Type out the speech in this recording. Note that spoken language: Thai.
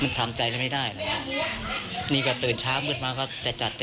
มันทำใจไม่ได้เลยนะ